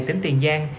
tỉnh long an